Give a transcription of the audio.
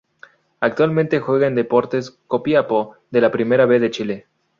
Actualmente juega en Deportes Copiapó de la Primera B de Chile.